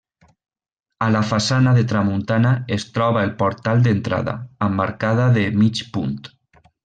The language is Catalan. A la façana de tramuntana es troba el portal d'entrada, amb arcada de mig punt.